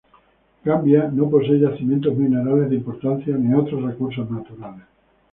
Gambia no posee yacimientos minerales de importancia ni otros recursos naturales.